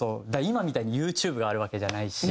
今みたいにＹｏｕＴｕｂｅがあるわけじゃないし。